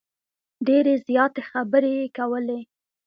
ډیرې زیاتې خبرې یې کولې.